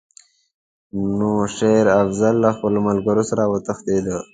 نو شېر افضل له خپلو ملګرو سره وتښتېد.